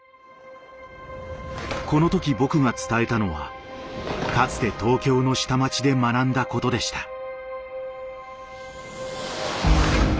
この時僕が伝えたのはかつて東京の下町で学んだことでした。